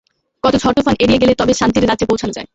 কত ঝড় তুফান এড়িয়ে গেলে তবে শান্তির রাজ্যে পৌঁছান যায়।